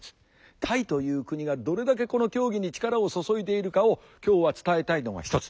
タイという国がどれだけこの競技に力を注いでいるかを今日は伝えたいのが一つ。